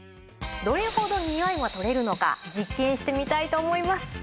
どれほどニオイは取れるのか実験してみたいと思います。